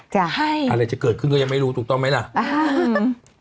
จะให้อะไรจะเกิดขึ้นก็ยังไม่รู้ถูกต้องไหมล่ะอ่า